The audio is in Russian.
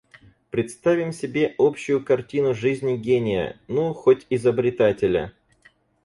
Представим себе общую картину жизни гения, ну, хоть изобретателя.